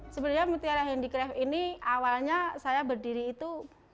sebenarnya mutiara handicraft ini awalnya saya berdiri itu